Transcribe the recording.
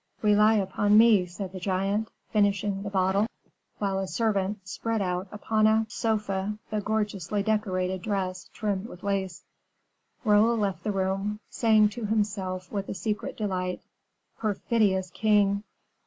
"Rely upon me," said the giant, finishing the bottle, while a servant spread out upon a sofa the gorgeously decorated dress trimmed with lace. Raoul left the room, saying to himself, with a secret delight, "Perfidious king!